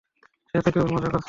সে তো কেবল মজা করছে।